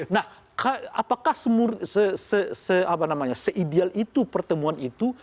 nah apakah se ideal itu pertemuan itu